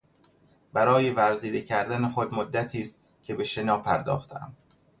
برای ورزیده کردن خود مدتی است که به شنا پرداختهام.